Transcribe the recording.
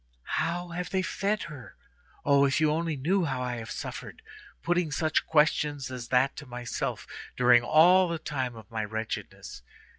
How have they fed her? Oh! if you only knew how I have suffered, putting such questions as that to myself during all the time of my wretchedness.